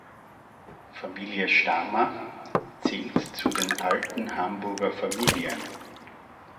Die Familie Sthamer zählt zu den alten Hamburger Familien.